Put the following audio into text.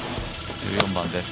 １４番です。